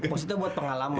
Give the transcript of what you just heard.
positif buat pengalaman